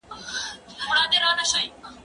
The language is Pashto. که وخت وي، د کتابتون کتابونه لوستل کوم؟!